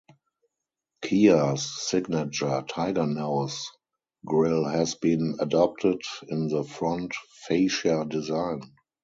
Kia's signature "Tiger nose" grill has been adopted in the front fascia design.